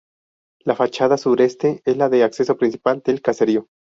La fachada Sureste es la de acceso principal del caserío.